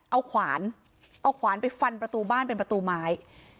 เอาขวานเอาขวานไปฟันประตูบ้านเป็นประตูไม้